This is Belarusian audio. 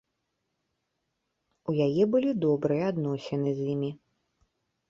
У яе былі добрыя адносіны з імі.